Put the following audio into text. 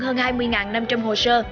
hơn hai mươi năm trăm linh hồ sơ